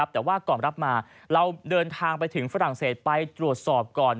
แต่ว่าก่อนรับมาเราเดินทางไปถึงฝรั่งเศสไปตรวจสอบก่อน